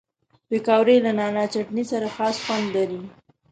پکورې له نعناع چټني سره خاص خوند لري